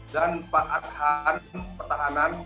dan pak adhan pertahanan